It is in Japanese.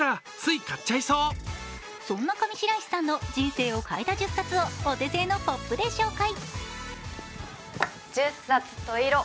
そんな上白石さんの人生を変えた１０冊をお手製のポップで紹介。